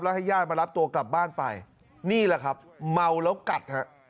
ให้ญาติมารับตัวกลับบ้านไปนี่แหละครับเมาแล้วกัดฮะ